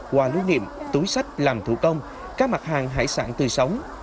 quà lưu niệm túi sách làm thủ công các mặt hàng hải sản tươi sống